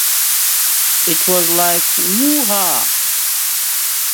It was like, 'Whoa!